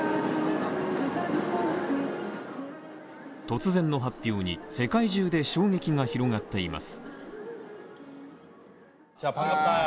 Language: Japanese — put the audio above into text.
突然の発表に、世界中で衝撃が広がっています。